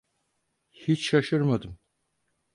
Hiç şaşırmadım.